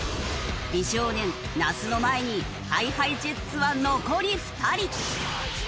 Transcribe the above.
美少年那須の前にＨｉＨｉＪｅｔｓは残り２人。